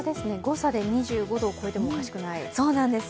誤差で２５度を超えてもおかしくない。